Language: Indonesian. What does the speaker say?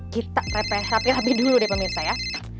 kita rapi rapi dulu deh pemirsa ya